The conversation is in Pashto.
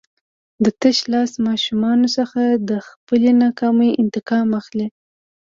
د تشلاس ماشومانو څخه د خپلې ناکامۍ انتقام اخلي.